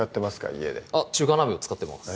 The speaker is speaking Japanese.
家であっ中華鍋を使ってます